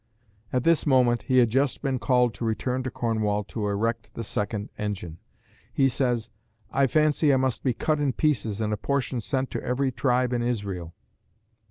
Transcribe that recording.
At this moment he had just been called to return to Cornwall to erect the second engine. He says "I fancy I must be cut in pieces and a portion sent to every tribe in Israel."